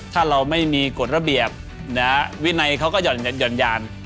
ถ้าเราไม่มีกฎระเบียบวินัยเขาก็หย่อนยาน